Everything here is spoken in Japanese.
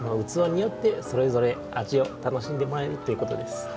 器によってそれぞれ味を楽しんでもらえるということです。